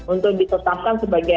untuk ditetapkan sebagai